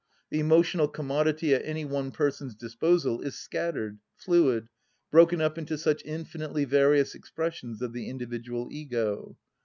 The emotional commodity at any one person's disposal is scattered, fluid, broken up into such infinitely various expressions of the individual ego I